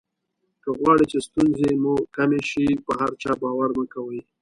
که غواړی چې ستونزې مو کمې شي په هر چا باور مه کوئ.